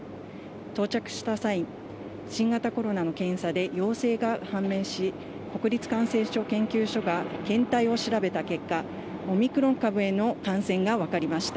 到着した際、新型コロナの検査で陽性が判明し、国立感染症研究所が検体を調べた結果、オミクロン株への感染が分かりました。